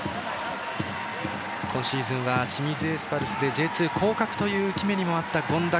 今シーズンは清水エスパルスでＪ２降格という憂き目もあった権田。